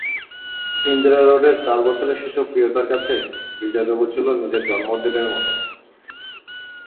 ইন্দিরা রোডের চার বছরের শিশু প্রিয়তার কাছে বিজয় দিবস ছিল নিজের জন্মদিনের মতো।